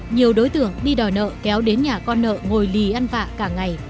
nhiều đối tượng đi đòi nợ kéo đến nhà con nợ ngồi lì ăn vạ cả ngày